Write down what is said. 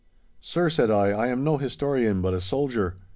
'Sir,' said I, 'I am no historian, but a soldier.